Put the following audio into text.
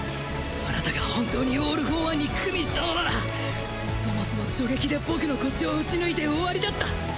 あなたが本当にオール・フォー・ワンに与したのならそもそも初撃で僕の腰を撃ち抜いて終わりだった！